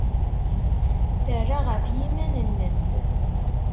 Terra ɣef yiman-nnes.